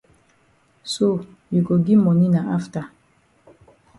So you go gi moni na afta.